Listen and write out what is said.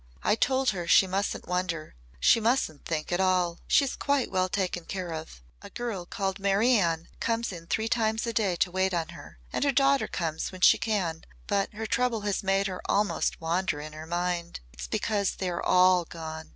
I told her she mustn't wonder. She mustn't think at all. She is quite well taken care of. A girl called Mary Ann comes in three times a day to wait on her and her daughter comes when she can but her trouble has made her almost wander in her mind. It's because they are all gone.